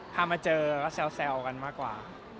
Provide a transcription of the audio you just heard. มาเจอก็แซวกันมากกว่า